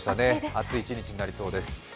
暑い一日になりそうです。